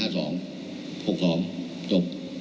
๖๒จบ